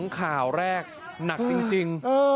ข่าวแรกหนักจริง